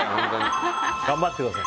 頑張ってください。